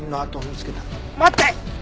待って！